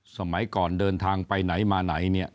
สมัยก่อนเดินทางไปไหนมาไหนเนี่ย